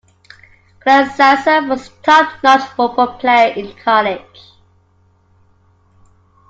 Kleinsasser was a top-notch football player in college.